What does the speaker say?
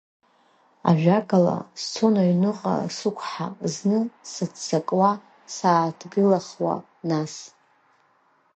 Ажәакала, сцон аҩныҟа сықәҳа, зны сыццакуа, сааҭгылахуа нас.